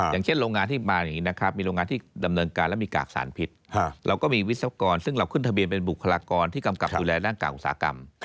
อย่างเช่นโรงงานที่มาอย่างนี้นะครับมีโรงงานที่ดำเนินการแล้วมีกากสารพิษเราก็มีวิศวกรซึ่งเราขึ้นทะเบียนเป็นบุคลากรที่กำกับดูแลด้านกากอุตสาหกรรม